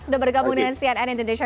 sudah bergabung dengan cnn indonesia